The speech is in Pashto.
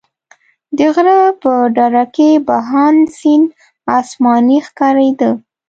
د غره په ډډه کې بهاند سیند اسماني ښکارېده.